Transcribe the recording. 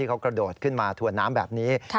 เขากระโดดขึ้นมาถวนน้ำแบบนี้